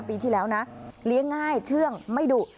ปีที่แล้วนะเลี้ยงง่ายเชื่องไม่ดุ